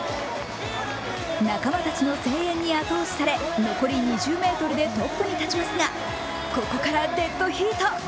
仲間たちの声援に後押しされ残り２０ｍでトップに立ちますがここからデッドヒート。